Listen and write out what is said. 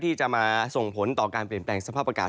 ที่จะมาส่งผลต่อการเปลี่ยนแปลงสภาพอากาศ